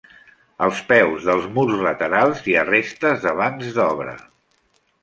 Als peus dels murs laterals hi ha restes de bancs d'obra.